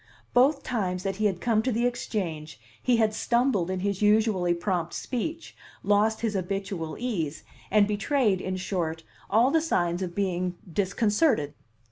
Both times that he had come to the Exchange he had stumbled in his usually prompt speech, lost his habitual ease, and betrayed, in short, all the signs of being disconcerted.